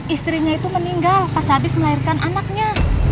istrinya itu meninggal pas habis melahirkan anaknya